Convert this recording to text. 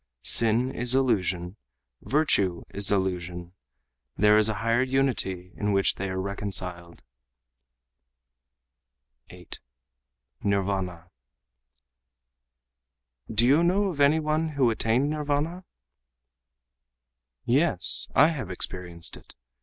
Sin is illusion; virtue is illusion, There is a higher unity in which they are reconciled." 8. Nirvâna "Do you know of any one who attained Nirvâna?" "Yes, I have experienced it.